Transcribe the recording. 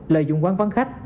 lợi dụng quán vắng khách